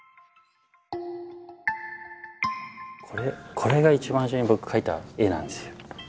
これが一番初めに僕描いた絵なんですよ。